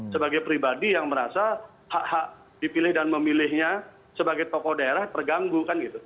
sebagai pribadi yang merasa hak hak dipilih dan memilihnya sebagai tokoh daerah terganggu kan gitu